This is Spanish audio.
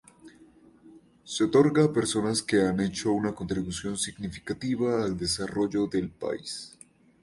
Se otorga a personas que han hecho una contribución significativa al desarrollo del país.